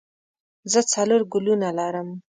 زه څلور ګلونه لرم.